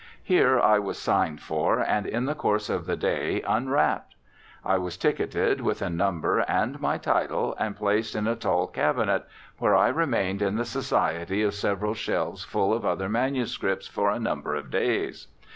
Here I was signed for, and, in the course of the day, unwrapped. I was ticketed with a number and my title, and placed in a tall cabinet, where I remained in the society of several shelves full of other manuscripts for a number of days.